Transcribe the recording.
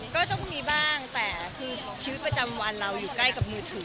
ก็ต้องมีบ้างแต่คือชีวิตประจำวันเราอยู่ใกล้กับมือถือ